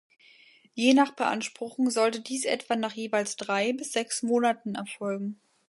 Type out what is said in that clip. Je nach Beanspruchung sollte dies etwa nach jeweils drei bis sechs Monaten erfolgen.